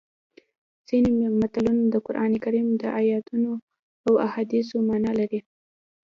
ځینې متلونه د قرانکریم د ایتونو او احادیثو مانا لري